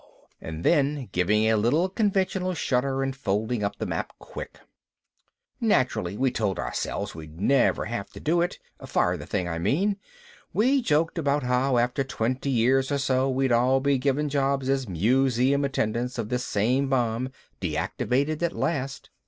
and then giving a little conventional shudder and folding up the map quick. "Naturally we told ourselves we'd never have to do it, fire the thing, I mean, we joked about how after twenty years or so we'd all be given jobs as museum attendants of this same bomb, deactivated at last.